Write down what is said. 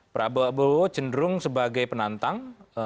prabowo cenderung sebagai penantang